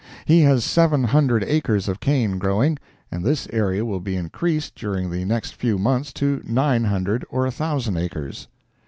He has seven hundred acres of cane growing, and this area will be increased during the next few months to nine hundred or a thousand acres.